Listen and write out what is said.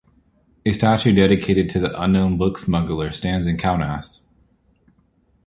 A statue dedicated to "The Unknown Book Smuggler" stands in Kaunas.